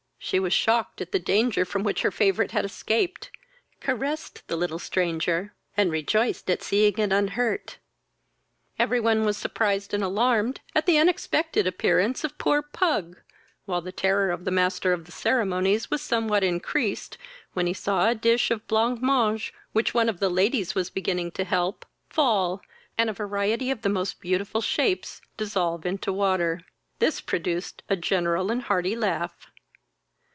She was shocked at the danger from which her favourite had escaped, caressed the little stranger, and rejoiced at seeing it unhurt. Everyone was surprised and alarmed at the unexpected appearance of poor Pug, while the terror of the master of the ceremonies was somewhat increased, when he saw a dish of blanc mange, which one of the ladies was beginning to help, fall, and a variety of the most beautiful shapes dissolve into water. This produced a general and hearty laugh.